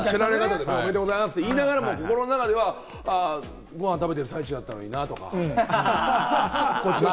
おめでとうございますと言いながらも、僕の中では、ご飯食べてる最中だったのになぁとか。